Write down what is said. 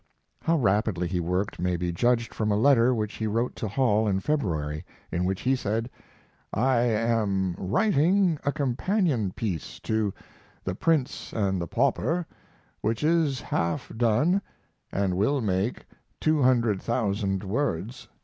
How rapidly he worked may be judged from a letter which he wrote to Hall in February, in which he said: I am writing a companion piece to 'The Prince and the Pauper', which is half done & will make 200,000 words.